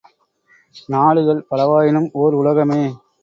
நாடுகள் பலவாயினும் ஒர் உலகமே!